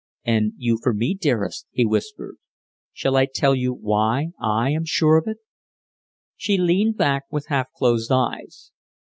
"And you for me, dearest," he whispered. "Shall I tell you why I am sure of it?" She leaned back with half closed eyes.